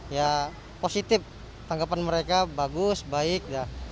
ya positif tanggapan mereka bagus baik